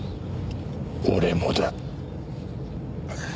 俺もだ。